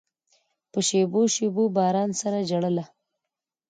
په شېبو، شېبو باران سره ژړله